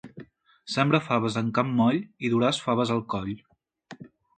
Sembra faves en camp moll i duràs faves al coll.